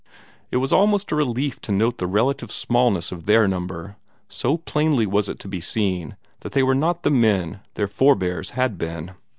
It was almost a relief to note the relative smallness of their number, so plainly was it to be seen that they were not the men their forbears had been.